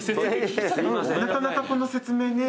なかなかこの説明ね。